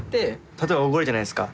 例えばおごるじゃないですか。